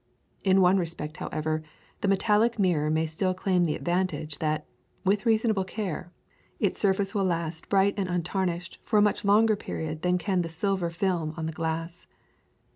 In one respect however, the metallic mirror may still claim the advantage that, with reasonable care, its surface will last bright and untarnished for a much longer period than can the silver film on the glass.